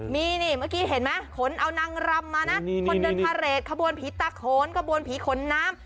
มีนี่เมื่อกี้เห็นไหมขนเอานางรำมานะคนเดินพาเรทขบวนผีตาโขนขบวนผีขนน้ำ